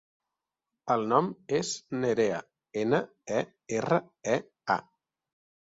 El nom és Nerea: ena, e, erra, e, a.